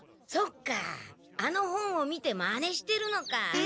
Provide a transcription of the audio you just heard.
そっかあの本を見てまねしてるのか。